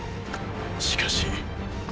しかし。